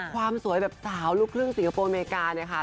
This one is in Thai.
ความสวยแบบสาวลูกลึ่งสิงโตอเมริกาเนี่ยค่ะ